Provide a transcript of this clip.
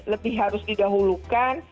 lebih harus didahulukan